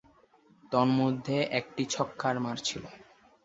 তন্মধ্যে একটি ছক্কার মার ছিল।